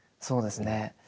そうですね。